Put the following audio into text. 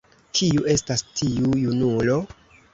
Kiu estas tiu junulo?